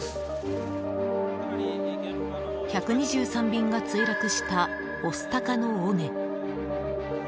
１２３便が墜落した御巣鷹の尾根。